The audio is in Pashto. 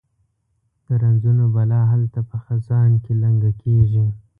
د رنځونو بلا هلته په خزان کې لنګه کیږي